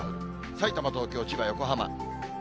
さいたま、東京、千葉、横浜。